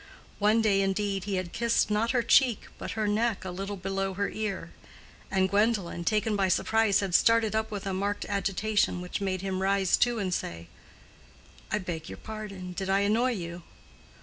One day, indeed, he had kissed not her cheek but her neck a little below her ear; and Gwendolen, taken by surprise, had started up with a marked agitation which made him rise too and say, "I beg your pardon—did I annoy you?"